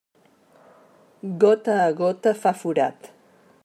Gota a gota fa forat.